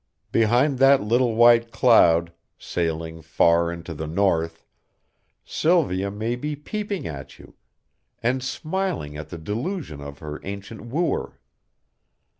Behind that little white cloud, sailing far into the north, Sylvia may be peeping at you, and smiling at the delusion of her ancient wooer.